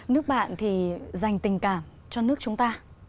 nước bạn thì dành tình cảm cho nước chúng ta